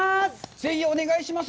ぜひ、お願いします。